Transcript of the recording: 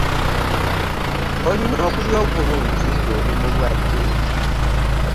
Olina okulya obulungi nga oli mulwadde.